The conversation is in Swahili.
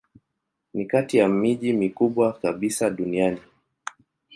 Ni kati ya miji mikubwa kabisa duniani.